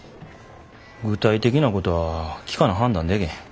具体的なことは聞かな判断でけへん。